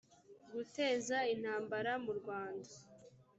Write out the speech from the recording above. guteza intambara mu rwanda